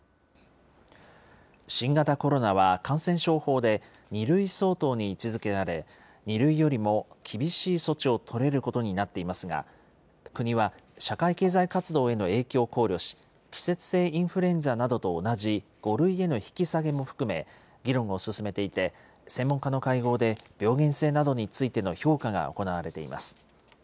新型コロナは感染症法で２類相当に位置づけられ、２類よりも厳しい措置を取れることになっていますが、国は社会経済活動への影響を考慮し、季節性インフルエンザなどと同じ５類への引き下げも含め議論を進めていて、専門家の会合で病原性などについての評価が行われています。